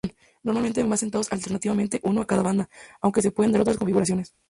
Normalmente van sentados alternativamente uno a cada banda, aunque se pueden dar otras configuraciones.